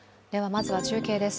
まずは中継です。